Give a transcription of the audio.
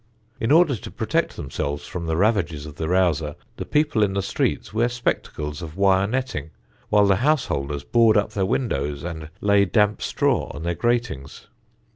In order to protect themselves from the ravages of the rouser the people in the streets wear spectacles of wire netting, while the householders board up their windows and lay damp straw on their gratings.